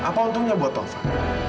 apa untungnya buat taufan